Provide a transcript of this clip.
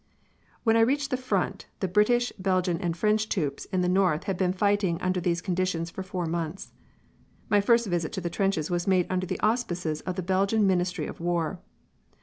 When I reached the front the British, Belgian and French troops in the north had been fighting under these conditions for four months. My first visit to the trenches was made under the auspices of the Belgian Ministry of War.